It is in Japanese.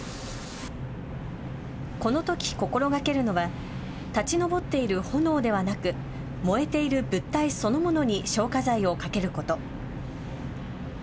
このとき、心がけるのは立ち上っている炎ではなく燃えている物体そのものに消火剤をかけること。